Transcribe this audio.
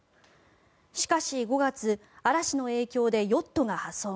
しかし５月嵐の影響でヨットが破損。